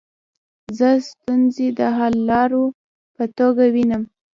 زه ستونزي د حللارو په توګه وینم.